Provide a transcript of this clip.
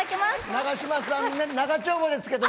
永島さん長丁場ですけど。